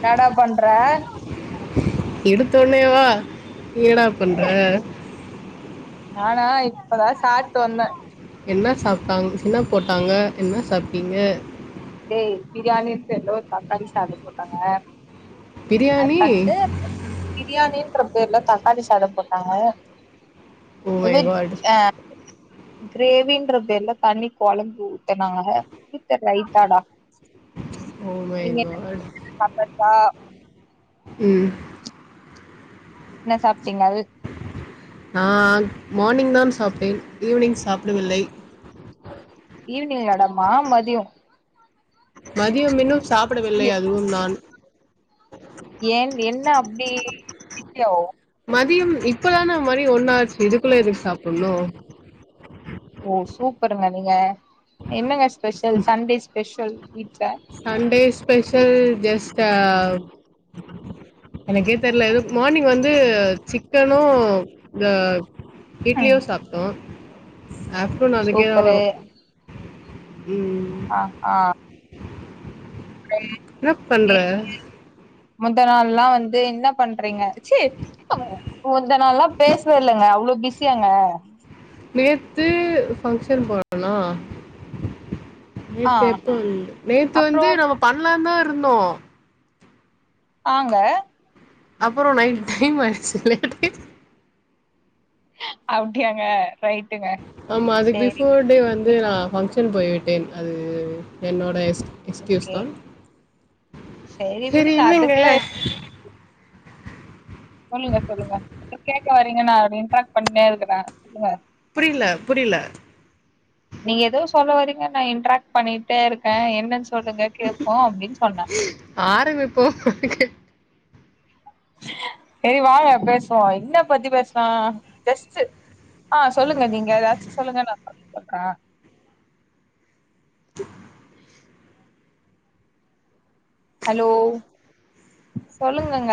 என்னாட பண்ற எடுத்த ஒன்னேவா என்னடா பண்ற நானா இப்பதா சாப்டு வந்தே என்ன சாப்டாங்க என்ன போட்டாங்க என்ன சாப்டீங்க டேய் பிரியாணி ஸ்டைல்ல ஒரு தக்காளி சாதோ போட்டாங்க பிரியாணி அதுக்கடுத்து பிரியாணின்ற பேருல தக்காளி சாதோ போட்டாங்க ஓ மை வெஜ் காட் ஆ கிரேவின்ற பேர்ல தண்ணி கொழம்பு ஊத்துனாங்க வித் ரைத் தாடா ஓ மை காட் வா ம் என்ன சாப்டீங்கள் ஆ மானிங் தான் சாப்டேன் ஈவினிங் சாப்பிடவில்லை ஈவினிங் இல்லடாமா மதியோ மதியம் இன்னும் சாப்பிட வில்லை எ அதுவும் நான் ஏன் என்ன அப்டி பிசியோ மதியம் இப்பதான மணி ஒண்ணாச்சு இதுக்குள்ள எதுக்கு சாப்புடணு ஓ சூப்பருங்க நீங்க என்னங்க ஸ்பெஷல் சண்டே ஸ்பெஷல் வீட்ல சண்டே ஸ்பெஷல் ஜஸ்ட எனக்கே தெரில எதோ மார்னிங் வந்து சிக்கனு இந்த ம் இட்லியு சாப்ட்டோ ஆஃப்டர்னூன் அதுக்கே சூப்பரு வரு ம் ஆ ஆ ம் என்ன பண்ற முந்தா நாள்லா வந்து என்ன பண்றீங்க சீ முந்தா நாள்லா பேசவே இல்லங்க அவ்ளோ பிஸியாங்க நேத்து பங்க்ஷன் போனனா ஆ நேத்து எப்ப வந்தே நேத்து அப்றோ வந்து நம்ம பண்ணலான்னு தா இருந்தோ ஆங்க அப்பறோ நைட் டைம் ஆயிருச்சி லேட் ஆயிருச் அப்டியாங்க ரைட்டுங்க ஆமா அதுக்கு சேரி பிஃபோர் டே வந்து நா ஃபங்க்ஷன் போய் விட்டேன் அது என்னோட எஸ்க்யூஸ் ஓகே மேம் சேரி சரி விடுங்க என்னங்க அதுக்குல்லா சொல்லுங்க சொல்லுங்க ஏதோ கேக்கவரீங்க நா அத இன்ட்ராக்ட் பண்ட்டே இருக்கறே சொல்லுங்க புரியல புரியல நீங்க ஏதோ சொல்ல வரீங்க நா இன்ட்ராக்ட் பண்ணிட்டே இருக்கே என்னன்னு சொல்லுங்க கேப்போ அப்டின்னு சொன்னே ஆரம்பிப்போ [unintelligible] சரி வாங்க பேசுவோ இன்ன பத்தி பேசலா ஜஸ்ட் ஆ சொல்லுங்க நீங்க ஏதாச்சும் சொல்லுங்க நான் [unintelligible] [inaudible] ஹலோ சொல்லுங்கங்க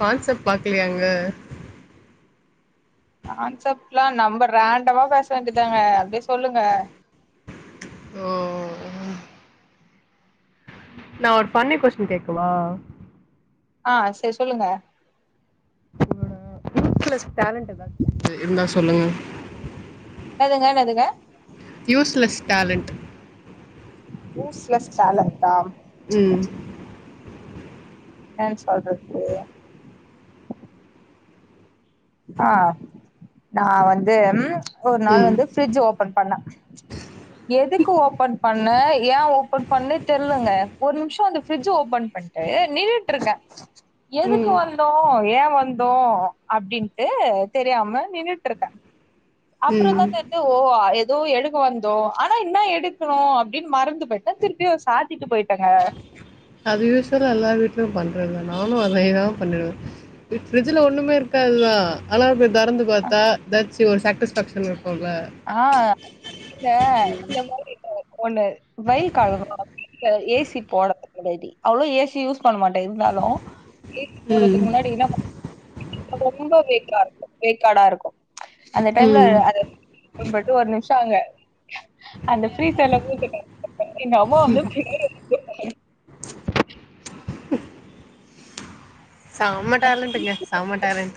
கான்செப்ட் பாக்கலையாங்க கான்செப்ட் லாம் நம்ம ரேண்டமா பேச வேண்டியது தாங்க அப்டியே சொல்லுங்க ஓ நான் ஒரு ஃபண்ணி கொஸ்டின் கேக்கவா ஆ சரி சொல்லுங்க ஷீகில ஸ்பேலண்ட் எதாவது இருந்தா சொல்லுங்க அழுதான் அழுதா யூஸ்லெஸ் டேலண்ட் யூஸ்லெஸ் டேலண்டா ம் என்னான்னு சொல்றது ஆ நா வந்து ம் ஒரு நாள் ம் வந்து ஃபிரிட்ஜ் ஓபன் பண்ணே [inaudible] எதுக்கு ஓபன் பண்ணே ஏ ஓபன் பண்ணேன் தெரிலங்க ஒர் நிமிஷம் அந்த ஃபிரிட்ஜ் ஓபன் பண் ணிட்டு நின்னுட்டு இருக்கே எதுக்கு ம் வந்தோ ஏன் வந்தோ அப்டின்டு ன்டு தெரியாம நின்னுட்டு இருக்கேன் அப்றோ தா ம் ஓ ஏதோ எடுக்க வந்தோ ஆனா இன்னா எடுக்கணு அப்டின்னு மறந்துபோய்ட்டே திருப்பியு சா த்திட்டு போயிட்டங்க அது யூசுவலா எல்லா வீட்லயு பண்றது தா நானு அதேதா பண்ணுவே ஃபிரிட்ஜில ஒன்னுமே இருக்காதுதா ஆனா போய் திறந்து பாத்தா எதாச்சு ஒரு சேட்டிஸ்ஃபேக்க்ஷன் இருக்குல்ல ஆ இல்ல இந்த மாரி ஒண்ணு வெயில் காலம் [unintelligible] ஏசி போட்றதுக்கு ரெடி அவ்ளவு ஏசி யூஸ் பண்ண மாட்டே இருந்தாலு ஏசி ம் போடுறதுக்கு முன்னாடி என்ன பண் [unintelligible] ரொம்ப வேக்கா இருக்கும் வேக்காடா இருக்கும். அந்த டைம்ல ம் ஓபன் பண்ட்டு ஒரு நிம்ஷ அங்க அந்த ப்ரீசர்ல மூஞ்ச [unintelligible] எங்க அம்மா வந்து பேய் செம டேலண்ட்டுங்க செம டேலண்ட்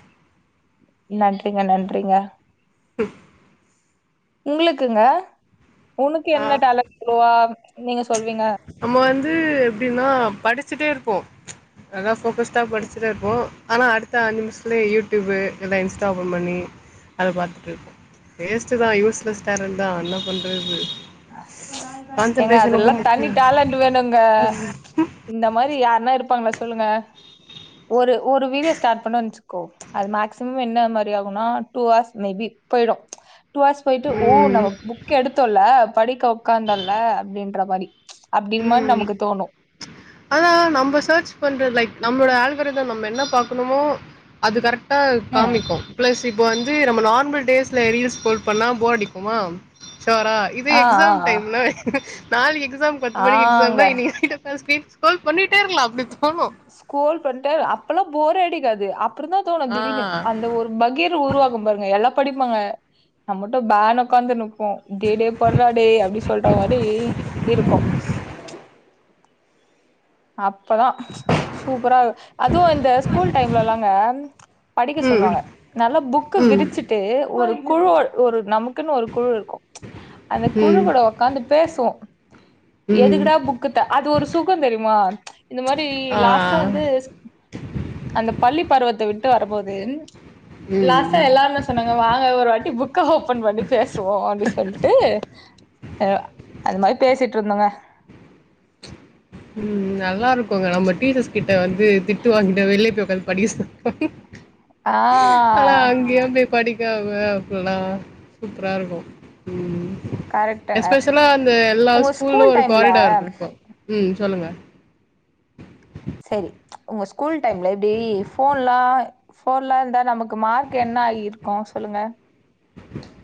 நன்றிங்க நன்றிங்க [unintelligible] உங்ளுக்குங்க உனக்கு ஆ என்ன டேலண்ட் இருக்கு நீங்க சொல்வீங்க நம்ம வந்து எப்டின்னா படிச்சிட்டே இருப்போ நல்லா ஃபோக்கஸ்ட்டா படிச்சிட்டே இருப்போ ஆனா அடுத்த அஞ்சுநிமிஷத்திலயே யூடியூப் இல்ல இன்ஸ்டா ஓப்பன் பண்ணி அத பாத்துட்டு இருப்போ வேஸ்ட் தா யூஸ்லெஸ் டரன் தா என்ன பண்றது எங்க கான்சன்ட்ரேஷன் அதுல்லா ரொம்ப தனி முக்கியோ டேலண்ட் வேணுங்க இந்த மாரி யாருன்னா இருப்பாங்ளா சொல்லுங்க ஒரு ஒரு வீடியோ ஸ்டாட் பண்ணேன் வச்சுக்கோ அது மேக்சிமம் என்ன மாரி ஆகுனா டூ ஹார்ஸ் மேபி போயிடு டூ ஆர்ஸ் போயிட்டு ஓ ம் நம்ம புக் எடுத்தோல படிக்க உக்காந்தல்ல அப்டின்ற மாரி அப்டி மாதிரி ம் நமக்கு தோணு ஆனா நம்ம சர்ச் பண்றது லைக் நம்மளோ ஆல்வரதம் நம்ம என்ன பாக்கணுமோ அது கரெக்டா ம். காமிக்கு ப்ளஸ் இப்போ வந்து நம்ம நார்மல் டேஸ்ல ரீல்ஸ் ஸ்க்ரோல் பண்ணா போர் அடிக்குமா ஷோரா இதே ஆ ஆ எக்ஸாம் ஆ. டைம்ல நாளைக்கு எக்ஸாம் பத்து மணிக்கு ஆங்க. எக்ஸாம்னா இன்னிக்கு நைட்டு ஒக்கார்ந்து ஸ்க்ரீன் ஸ்க்ரோல் பண்ணிட்டே இருங்களா அப்டி தோணு ஸ்கோல் பண்ணிட்டு அப்பல்லா போரே ஆடிக்காது அப்புற தா தோணு ஆ திடீனு அந்த ஒரு பகீர் உருவாகு பாருங்க எல்லா படிப்பாங்க நம் மட்டு பேனு ஒக்க்காந்துனுப்போ டே டே பர்ரா டே அப்டி சொல்ற மாரி இருக்கு அப்பதா சூப்பரா அதுவு இந்த ஸ்கூல் டைம்லலாங்க படிக்க ம் சொல்லுவாங்க நல்ல புக்க ம் விரிச்சிட்டு ஒரு குழு ஒரு நமக்குன்னு ஒரு குழு இருக்கு அந்த குழு ம் கூட ஒக்காந்து பேசுவோ ம் எதுகுடா புக்கு த அது ஒரு சுகோ தெரிமா இந்த மாரி ஆ லாஸ்ட வந்து அந்த பள்ளி பருவத்த விட்டு வரும்போது லாஸ்டா ம் எல்லாருமேச் சொன்னாங்க வாங்க ஒரு வாட்டி புக்க ஓபன் பண்ணி பேசுவோ அப்டி சொல்ட்டு அ அது மாரி பேசிட்ருந்தோங்க ம் நல்லா இருக்குங்க நம்ம டீச்சர்ஸ் கிட்ட வந்து திட்டு வாங்கிடு வெளிய போய் உக்காது படிக்க சொ ஆ ஆனா அங்கயு போய் படிக் காமா அப்பல்லா சூப்பரா இருக்கு ம் கரெக்ட்டுங்க. எஸ்பெஷலா அந்த எல்லா உங்க ஸ்கூல்லு ஸ்கூல் ஒரு டைம்ல காரிடார் இருக்கு ம் சொல்லுங்க சரி உங்க ஸ்கூல் டைம்ல இப்டி ஃபோன்லா ஃபோன்லா இருந்தா நமக்கு மார்க் என்ன ஆயிருக்கோ சொல்லுங்க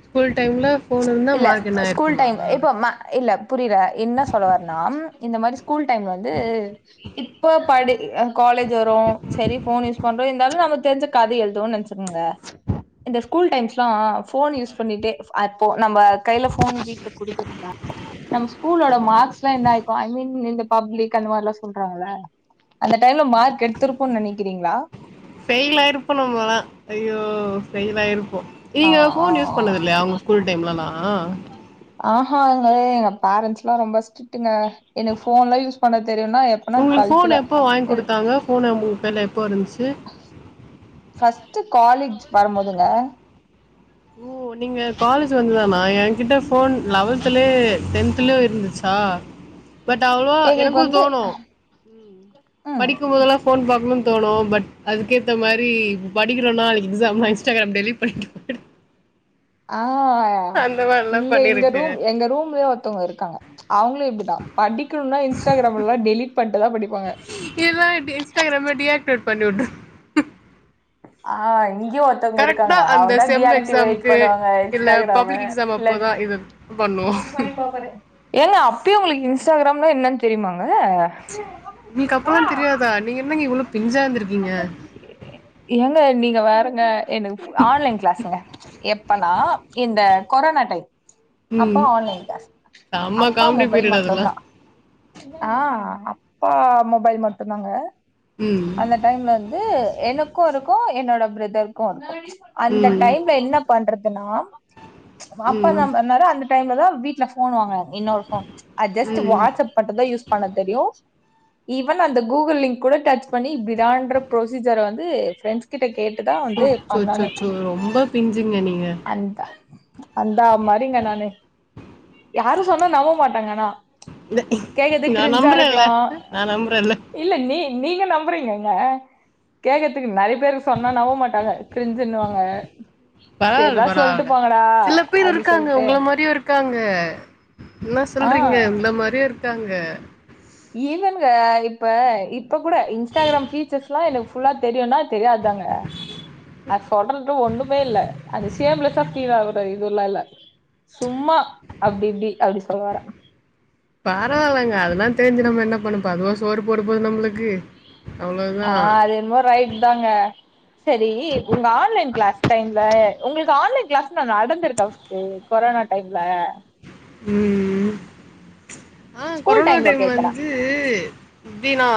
ஸ்கூல் டைம்ல ஃபோன் இருந்தா இல்ல மார்க் என்ன ஸ்கூல் ஆயிருக்குமா டைம் இப்போ ம இல்ல புரிரா என்ன சொல்லவரனா இந்த மாரி ஸ்கூல் டைம்ல வந்து இப்ப படி அ காலேஜ் வரோ சரி ஃபோன் யூஸ் பண்றோ இருந்தாலோ நம்மகு தெரிஞ்ச கத எழுவோன் நன்ச் துங்க இந்த ஸ்கூல் டைம்ஸ்ல்லா ஃபோன் யூஸ் பண்ணிட்டே அ போ நம்ப கைய்ல ஃபோன் வீட்ல குடுத்துருந்தா நம் ஸ்கூலோட மார்க்ஸ்லா என்ன ஆய்கு ஐ மீன் இந்த பப்ளிக் அந்த மாரிலா சொல்றாங்கள அந்த டைம்ல மார்க் எட்துருப்போ நினைக்கிறீங்களா ஃபைல் ஆய்ருப்போ நம்மல்லா ஐயோ ஃபைல் ஆயிருப்போ ஆ நீங்க ஆ ஃபோன் யூஸ் பண்ணது இல்லயா உங்க ஸ்கூல் டைம்லல்லா ஆஹாங்க எங்க பேரன்ட்ஸ்லா ரொம்ப ஸ்டிட்டுங்க எனக்கு போன்லா யூஸ் பண்ண தெரியுனா எ உங்களுக்கு ஃபோன் எப்போ வாய்ங் குடுத்தாங்க ஃபோனு உங்களு கைல எப்போ இருந்துச்சு ஃபஸ்ட்டு காலேஜ் வருபோதுங்க ஓ நீங்க காலேஜ் வந்துதானா எகிட்ட ஃபோன் லெவல்துலே டென்துலே இருந்துச் சா பட் அவ்ளோவா எங்களுக்கு எனக்கு வந்து தோணு ம் படிக்கும்போதெல்லா ஃபோன் பாக்குனு தோணு பட் அதுக்கேத்தா மாரி படிக்கிறோ நாளைக்கு எக்ஸாம்னா இன்ஸ்டாகிராம் டெலிட் பண்ணிட்டு ஆ அந்த மாரிலா இங்க இங்க பண்ணிருக்கு ரூம் எங்க ரூம்லயே ஒருத்தவங்க இருக்காங்க அவங்களோ இப்டிதா படிக்கணுனா இன்ஸ்டாகிராம்லா டெலிட் பன்ட்டுதா படிப்பாங்க இல்லாட்டி இன்ஸ்டாகிராம டி ஆக்டிவேட் பண்ணி விட்ரு ஆ இங்கயு ஒர்த்தவங்க இருக்காங்க கரெக்டா அந்த ஆவதா செம் டிஆக்டிவேட் எக்ஸாம்க்கு பண்ணுவாங்க இல்ல இன்ஸ்டாகிரம பப்ளிக் எக்ஸாம் இல்லா அப்போதா இது பண்ணுவோ ஏங்க அப்பயே உங்களுக்கு இன்ஸ்டாகிராம்னா என்னன் தெரியுமாங்க உங்ளுக்கு அப்பல்லா தெரியாதா நீங்க என்னங்க இவ்வளோ பிஞ்சா இருந்து ஏங்க நீங்க வேறங்க எனக்கு ஆன்லைன் கிளாஸுங்க எப்பனா இந்த கொரோனா டைம் அப்ப ஆன்லைன் கிளாஸ் செம்ம அப்பா காமெடி மொபைல் பீரியட் அதெல்லா மட்டுதா ஆ அப்பா மொபைல் மட்டுதாங்க ம் த டைம்ல வந்து எனக்கோ இருக்கோ என்னோட பிரதர்க்கோ இருக்கோ அந்த டைம்ல என்ன பண்றதுன்னா அப்பா ம் நம்பர்லதா அந்த டைம்ல தா வீட்டுல ஃபோன் வாாங்குனா இன்னொரு‌ ஃபோன் அது ஜஸ்டு ம் வாட்ஸ்அப் மட்டுதா யூஸ் பண்ண தெரியு ஈவன் அந்த கூகுள் லிங்க் கூட டச் பண்ணி இப்டிதான்ர ப்ரோசீஜர வந்து ஃப்ரெண்ட்ஸ் கிட்ட கேட்டுதா சோ வந்து சோ சோ பண்ணானே சோ ரொம்ப பிஞ்சுங்க நீங்க அத்தா அந்தா மாறிங்க நானு யாரு சொன்னா நம்ப மாட்டாங்க ஆனா கேக்கது நா கிரிஞ்சா நம்புரேல்ல இருக்கலா நா நம்புரேல்ல இல்ல நீ நீங்க நம்புறீங்கங்க கேக்கரத்துக்கு நெறைய பேருக்கு சொன்னா நம்ப மாட்டாங்க க்ரிஞ்சுனுவாங்க பரவால்ல சேர்ரா சொல்ட்டு பரவால்ல போங்கடா சில பேர் அப்டி இருக்காங்க சொல்ட்டு உங்கள மாரியு இருக்காங்க என்ன சொல்றீங்க ஆஹ் இந்த மாரியு இருக்காங்க ஈவன்ங்க இப்ப இப்ப கூட இன்ஸ்டாகிராம் ஃபீச்சர்ஸ்லா எனக்கு ஃபுல்லா தெரியுன்னா தெரியாதாங்க அத சொல்றத்லா ஒன்னுமே இல்ல அது ஷேம்லஸா ஃபீல் ஆகுரதுல்லா இல்ல சும்மா அப்டி இப்டி அப்டி சொல்வர பரவால்லங்க அதெல்லா தெரிஞ்சு நம்ம என்ன பண்ணப்போரோ அதுவா சோறு போட போது நம்ளுக்கு ஆ அது என்னமோ ரைட் தாங்க சரி உங்க ஆன்லைன் க்ளாஸ் டைம்ல உங்களுக்கு ஆன்லைன் க்ளாஸ்லா நடந்திருக்கா ஃபர்ஸ்டு கொரோனா டைம்ல ம் ஆ ஸ்கூல் கொரோனா டைம்ல டைம் கேக்குறே வந்து எப்டின்னா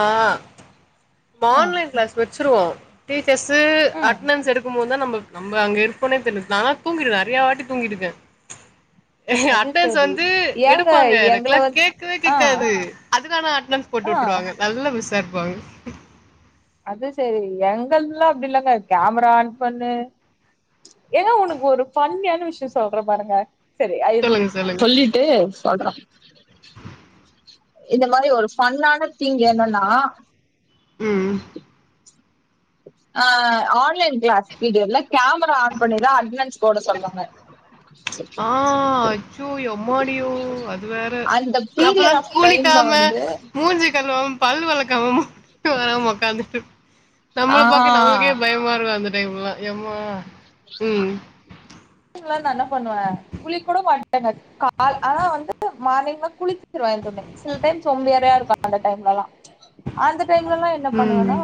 ம் ஆன்லைன் க்ளாஸ் வச்சிருவோ டீச்சர்ஸு ம் அட்ணன்ஸ் எடுக்கும்போதுதா நமக் நம்ப அங்க இருப்போனே தெர்ல நாலா தூங்கிடுவ நிறையா வாட்டி தூங்கிருக்க அது அட்னன்ஸ் சரி வந்து ஏங்க எடுப்பாங்க எங்கள எனக்லா வந் கேக்கவே ஆ கேக்காது அதுலானா அட்னன்ஸ் ஆ போட்டு விட்டுருவாங்க நல்லா மிஸ்ஸாருப்பாங்க அது சேரி எங்கல்துலா அப்டி இல்லங்க கேமரா ஆன் பண்ணு ஏங்க உனக்கு ஒரு ஃபன்னியான விஷய சொல்ற பாருங்க சரி அய் சொல்லுங்க சொல்லுங்க ஏ சொல்றா இந்த மாரி ஒரு ஃபண்ணான திங் என்னன்னா ம் ஆ ஆன்லைன் க்ளாஸ் வீடியோல கேமரா ஆன் பண்ணிதா அட்னன்ஸ் போட சொல்வாங்க ஆ அச்சு எம்மாடியோ அது வேற அந்த அப்பதா பீரியட் ஆஃப் டைம்ல குலிக்காம வந்து மூஞ்சிக் கழுவாம பல்லு வெளக்காம ஒக்காந்துட்டு ஆ நம்மள பாக்க நம்மளுக்கே பயமா இருக்கு அந்த‌ டைம் லா எம்மா ம் நா என்ன பண்ணுவே குலிக்கூட மாட்டே நா கால் ஆனா வந்து மார்னிங்லா குலிச்சிருவே எப்போமே சில டைம் சோம்பேறியா இருப்ப அந்த டைம்லலா அந்த டைம்லலா என்ன பண்ணுவனா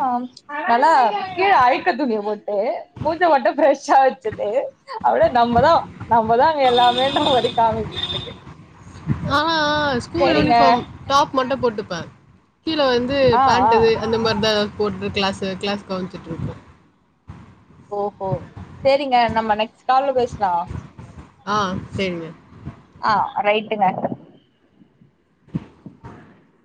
நல்லா கீழ அழக்கு துணிய போட்டு மூஞ்ச மட்டு ஃபிரெஷ் ஷா வச்சட்டு அப்டே நம்பதா நம்பதா அங்க எல்லாமேன்ற மாரி காமிக்கட்டுக்கு ஆ ஆ ஸ்கூல் யூனிஃபார்ம் டாப் மட்டு போட்டுப்பே கீழ வந்து இது ஆ ஆ பேண்ட் இது அந்த மாரிதா போட்டு க்ளாஸ் கிளாஸ் கவன்ச்ட்டு இருப்பே ஓஹோ சேரிங்க நம்ம நெக்ஸ்ட் கால்ல பேசலா ஆ சேரிங்க ஆ ரைட்டுங்க [inaudible]